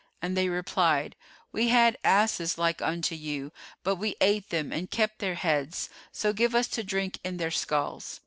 And they replied, 'We had asses like unto you; but we ate them and kept their heads: so give us to drink in their skulls.